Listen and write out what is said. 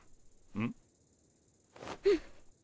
うん。